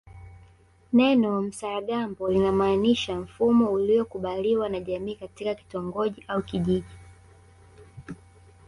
Neno msaragambo linamaanisha mfumo uliokubaliwa na jamii katika kitongoji au kijiji